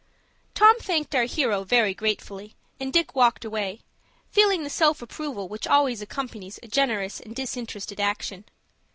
Tom thanked our hero very gratefully, and Dick walked away, feeling the self approval which always accompanies a generous and disinterested action.